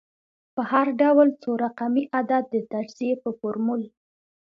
په هر ډول څو رقمي عدد د تجزیې په فورمول